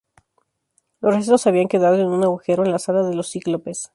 Los restos habían quedado en un agujero, en la Sala de los Cíclopes.